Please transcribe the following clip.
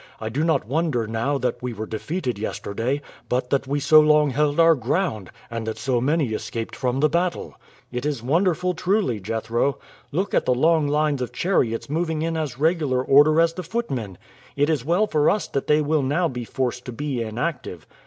I do not wonder now that we were defeated yesterday, but that we so long held our ground, and that so many escaped from the battle." "It is wonderful, truly, Jethro. Look at the long line of chariots moving in as regular order as the footmen. It is well for us that they will now be forced to be inactive.